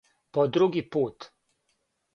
По други пут!